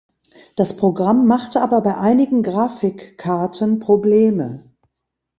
Das Programm machte aber bei einigen Grafikkarten Probleme.